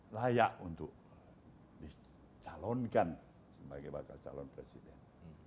layak untuk dicalonkan sebagai bakal calon presiden